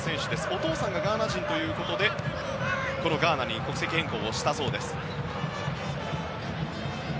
お父さんがガーナ人ということでこのガーナに国籍変更をしたそうです。